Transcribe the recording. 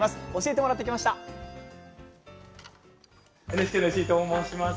ＮＨＫの石井と申します。